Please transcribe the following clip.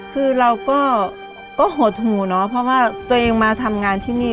คือเราก็หดหูเนาะเพราะว่าตัวเองมาทำงานที่นี่